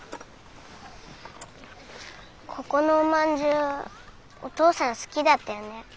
ここのおまんじゅうお父さん好きだったよね。